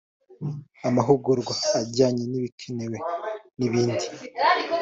amahugurwa ajyanye n’ibikenewe n’ibindi